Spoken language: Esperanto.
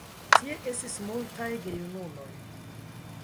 Tie estis multaj gejunuloj.